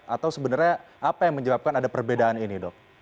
atau sebenarnya apa yang menyebabkan ada perbedaan ini dok